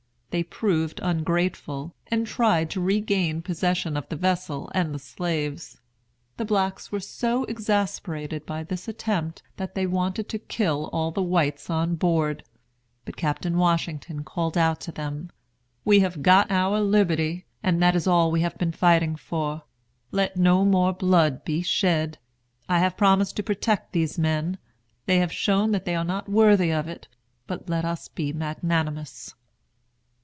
They proved ungrateful, and tried to regain possession of the vessel and the slaves. The blacks were so exasperated by this attempt, that they wanted to kill all the whites on board. But Captain Washington called out to them: "We have got our liberty, and that is all we have been fighting for. Let no more blood be shed! I have promised to protect these men. They have shown that they are not worthy of it; but let us be magnanimous."